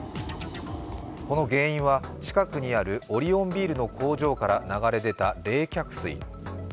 この原因は近くにあるオリオンビールの工場から流れ出た冷却水。